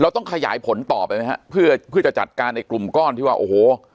ต้องขยายผลต่อไปไหมฮะเพื่อเพื่อจะจัดการในกลุ่มก้อนที่ว่าโอ้โห